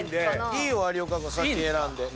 いいよ有岡君先選んで。